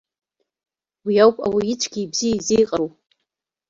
Уи ауп ауаҩы ицәгьеи ибзиеи зеиҟароу.